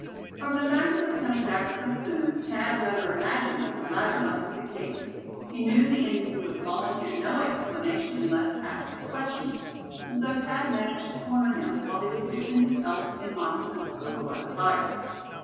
From the fact of his coming back so soon Thad rather imagined that the latter must be the case. He knew the Indian would volunteer no explanation unless asked questions; and so Thad managed to corner him while he was fixing his elkskin moccasins over by the fire.